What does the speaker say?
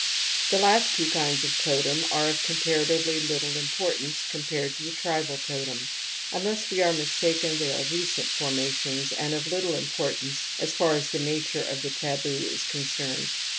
\ The last two kinds of totem are compara tively of little importance compared to the tribal totem. Unless we are mistaken they are recent formations and of little importance as far as the nature of the taboo is concerned.